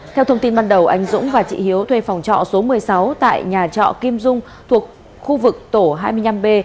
theo thông tin ban đầu anh dũng và chị hiếu thuê phòng trọ số một mươi sáu tại nhà trọ kim dung thuộc khu vực tổ hai mươi năm b